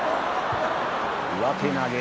上手投げ。